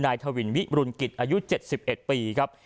ทวินวิรุณกิจอายุ๗๑ปีครับ